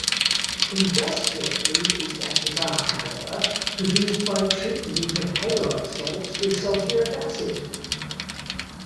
Industrially these gases are, however, produced by treatment of halide salts with sulfuric acid.